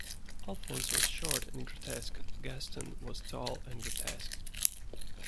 Alphonse was short and grotesque; Gaston was tall and grotesque.